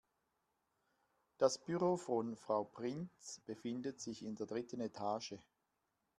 Das Büro von Frau Prinz befindet sich in der dritten Etage.